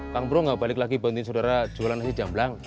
kang bro nggak balik lagi banding saudara jualan nasi jamblang